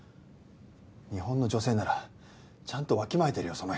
日本の女性ならちゃんとわきまえてるよ